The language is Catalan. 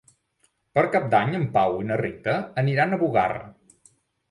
Per Cap d'Any en Pau i na Rita aniran a Bugarra.